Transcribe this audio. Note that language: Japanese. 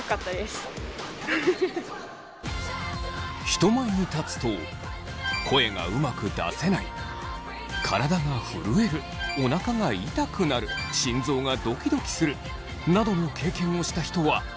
人前に立つと声がうまく出せない体が震えるお腹が痛くなる心臓がドキドキするなどの経験をした人はいませんか？